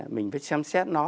mình phải xem xét nó